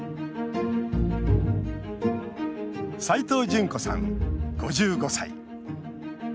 斎藤潤子さん、５５歳。